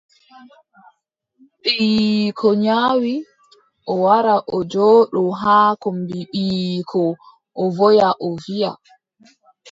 Ɓiiyiiko nyawi, o wara o jooɗo haa kombi ɓiiyiiko o woya o wiiʼa.